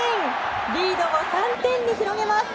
リードを３点に広げます。